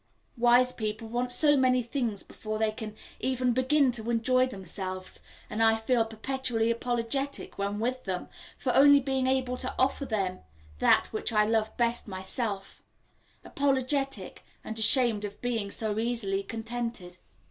Wise people want so many things before they can even begin to enjoy themselves, and I feel perpetually apologetic when with them, for only being able to offer them that which I love best myself apologetic, and ashamed of being so easily contented.